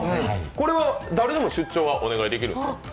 これは誰でも出張はお願いできるんですか？